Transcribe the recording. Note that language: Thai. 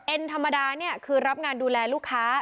ธรรมดาเนี่ยคือรับงานดูแลลูกค้า